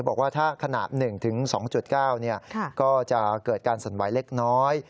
บอกว่าถ้าขนาด๑๒๙ก็จะเกิดการสั่นไหวเล็กน้อย